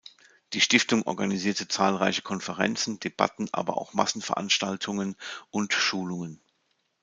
Die Stiftung organisierte zahlreiche Konferenzen, Debatten, aber auch Massenveranstaltungen und Schulungen.